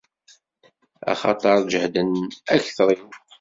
Axaṭer ǧehden akter-iw!